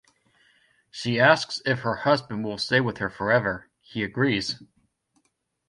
She asks if her husband will stay with her forever he agrees.